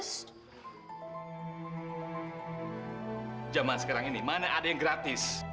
zaman sekarang ini mana ada yang gratis